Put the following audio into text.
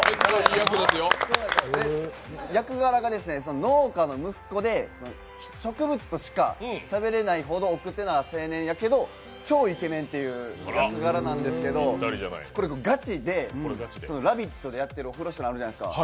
役柄が、農家の息子で植物としかしゃべれないほど奥手な青年やけど、超イケメンっていう役柄なんですけどこれがガチで、「ラヴィット！」でやっている「オフロシュラン」があるじゃないですか。